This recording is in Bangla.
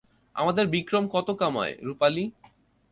আমাদের বিক্রম কত কামায়, রূপালি?